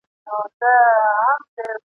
جنت ځای وي د هغو چي کوي صبر !.